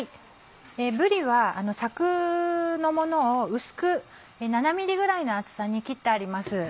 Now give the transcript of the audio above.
ぶりはさくのものを薄く７ｍｍぐらいの厚さに切ってあります。